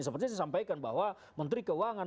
saya sampaikan bahwa menteri keuangan